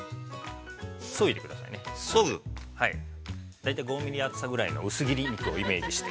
大体５ミリ厚さぐらいの薄切り肉をイメージして。